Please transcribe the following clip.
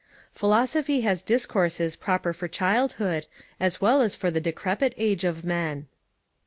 Philosophy has discourses proper for childhood, as well as for the decrepit age of men.